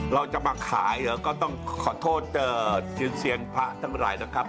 เราจะมาขายเหรอก็ต้องขอโทษเสียงพระทั้งหลายนะครับ